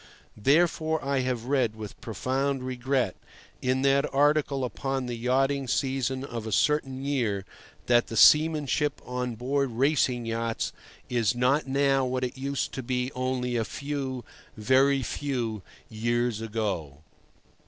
Therefore I have read with profound regret, in that article upon the yachting season of a certain year, that the seamanship on board racing yachts is not now what it used to be only a few, very few, years ago.